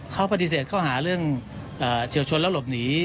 เขาปฏิเสร็จเข้าอาหารเรื่องเฉียวชนและหลบหนี